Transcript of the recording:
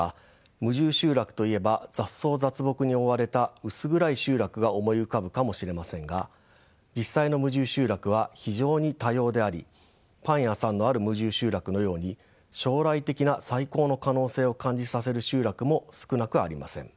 無住集落といえば雑草雑木に覆われた薄暗い集落が思い浮かぶかもしれませんが実際の無住集落は非常に多様でありパン屋さんのある無住集落のように将来的な再興の可能性を感じさせる集落も少なくありません。